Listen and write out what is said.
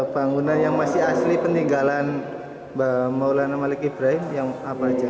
bangunan yang masih asli peninggalan mbak maulana malik ibrahim yang apa aja